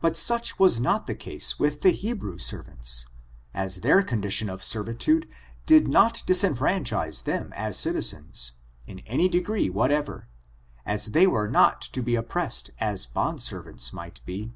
But such was not the case with the Hebrew servants — as their condition of servitude did not disenfranchize them as citizens, in any degree whatever, as they were not to be oppressed as bond servants might be.